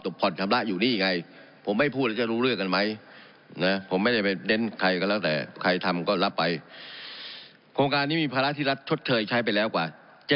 ทำก็รับไปโครงการนี้มีภาระที่รัฐชดเผยใช้ไปแล้วกว่า